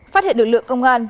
phát hiện lực lượng công an